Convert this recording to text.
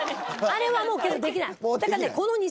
あれはもうできない。